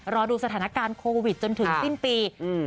รอดูสถานการณ์โควิดจนถึงสิ้นปีอืม